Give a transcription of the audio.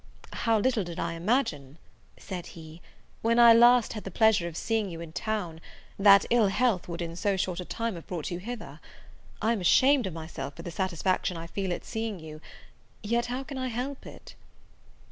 "How little did I imagine," added he, "when I had last the pleasure of seeing you in town, that ill health would in so short a time have brought you hither! I am ashamed of myself for the satisfaction I feel at seeing you, yet, how can I help it?"